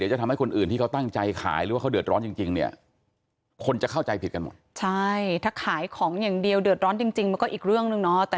ใช่ถ้าขายของอย่างเดียวเดือดร้อนจริงมันก็อีกเรื่องนึงเนาะ